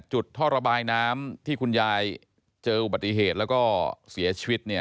ท่อระบายน้ำที่คุณยายเจออุบัติเหตุแล้วก็เสียชีวิตเนี่ย